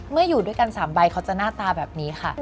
อยู่ด้วยกัน๓ใบเขาจะหน้าตาแบบนี้ค่ะ